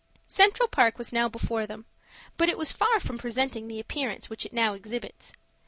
Central Park was now before them, but it was far from presenting the appearance which it now exhibits.